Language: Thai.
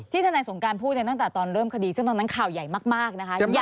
ที่ท่านายสงการพูดเนี่ยตั้งแต่ตอนเริ่มคดีซึ่งตอนนั้นข่าวใหญ่มาก